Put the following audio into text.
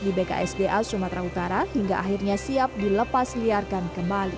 di bksda sumatera utara hingga akhirnya siap dilepas liarkan kembali